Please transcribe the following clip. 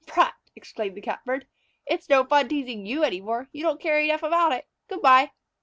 "Prut!" exclaimed the Catbird. "It's no fun teasing you any more! You don't care enough about it! Good by!"